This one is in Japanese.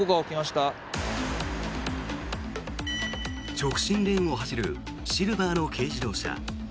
直進レーンを走るシルバーの軽自動車。